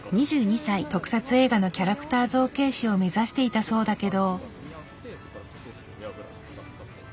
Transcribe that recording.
特撮映画のキャラクター造形師を目指していたそうだけど。